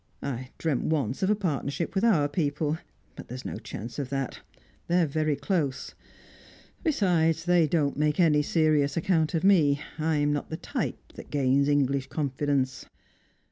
I dreamt once of a partnership with our people; but there's no chance of that. They're very close; besides, they don't make any serious account of me; I'm not the type that gains English confidence.